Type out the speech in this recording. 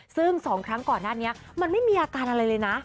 ซึ่ง๒ครั้งก่อนหน้านี้มันไม่มีอาการอะไรเลยนะ